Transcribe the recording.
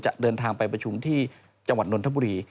เดินทางไปประชุมที่จังหวัดนนทบุรี